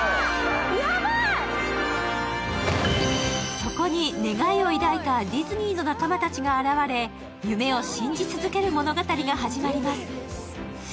そこに、願いを抱いたディズニーの仲間たちが現れ夢を信じ続ける物語が始まります。